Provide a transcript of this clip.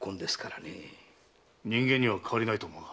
人間には変わりないと思うが？